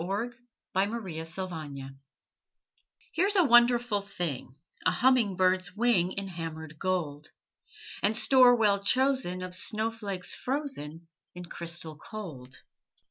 THE FAIRY GOLDSMITH Here's a wonderful thing, A humming bird's wing In hammered gold, And store well chosen Of snowflakes frozen In crystal cold.